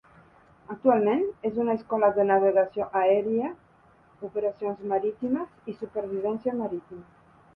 Actualment és una escola de navegació aèria, operacions marítimes i supervivència marítima.